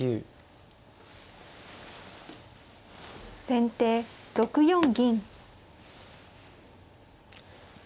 先手６四銀。